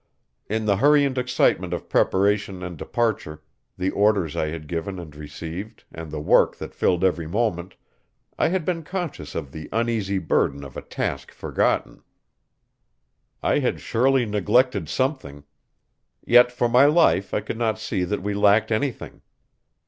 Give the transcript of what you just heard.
In the hurry and excitement of preparation and departure, the orders I had given and received, and the work that filled every moment, I had been conscious of the uneasy burden of a task forgotten. I had surely neglected something. Yet for my life I could not see that we lacked anything.